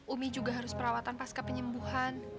umi juga harus perawatan pas kepenyembuhan